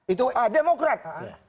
itu ah demokrat